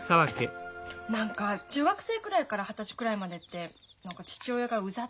何か中学生くらいから二十歳くらいまでって何か父親がうざったいんだよね。